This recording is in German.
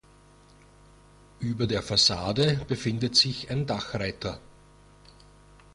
Über der Fassade befindet sich ein Dachreiter.